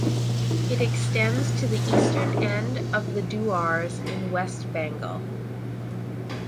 It extends to the eastern end of the Dooars in West Bengal.